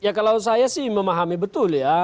ya kalau saya sih memahami betul ya